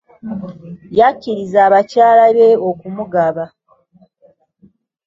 Yakkiriza bakyala be okumugaba.